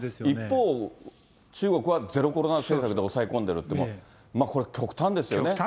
一方、中国はゼロコロナ政策で抑え込んでるって、もう、これ、極端ですよね。